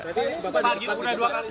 tapi ini sebagian udah dua kali